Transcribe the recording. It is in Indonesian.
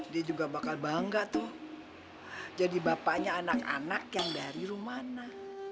dia juga bakal bangga tuh jadi bapaknya anak anak yang dari rumah nak